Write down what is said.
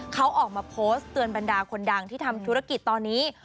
เขาออกมาโพสต์เตือนบรรดาคนดังที่ทำธุรกิจตอนนี้